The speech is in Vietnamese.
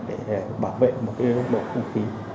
để bảo vệ một đội không khí